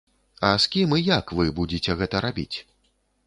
А з кім і як вы будзеце гэта рабіць?